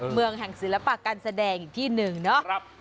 เมืองแห่งศิลปะการแสดงอีกที่หนึ่งเนาะ